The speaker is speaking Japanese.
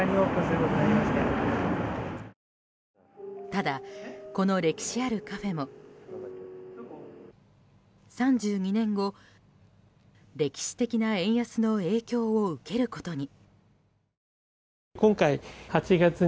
ただ、この歴史あるカフェも３２年後、歴史的な円安の影響を受けることに。